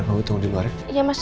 mas udah ada apa